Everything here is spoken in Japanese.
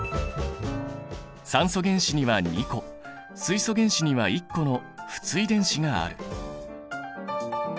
酸素原子には２個水素原子には１個の不対電子がある。